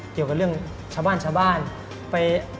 เกี่ยวกับเรื่องชาวบ้านไป